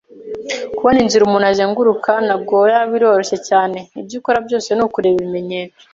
Kubona inzira umuntu azenguruka Nagoya biroroshye cyane. Ibyo ukora byose nukureba ibimenyetso.